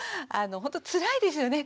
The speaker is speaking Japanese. ほんとつらいですよね